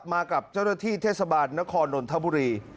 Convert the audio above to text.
มากับเจ้าหน้าที่เทศบาลนครนนทบุรี